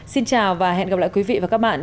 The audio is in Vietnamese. xin chào và hẹn gặp lại quý vị và các bạn